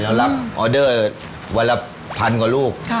เรารับออเดอร์วันละ๑๐๐๐กว่าลูก